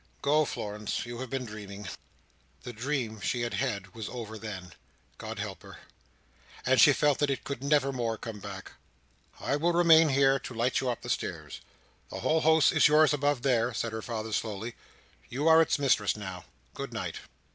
Go, Florence. You have been dreaming." The dream she had had, was over then, God help her! and she felt that it could never more come back. "I will remain here to light you up the stairs. The whole house is yours above there," said her father, slowly. "You are its mistress now. Good night!"